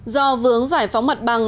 do vướng giải phóng mặt bằng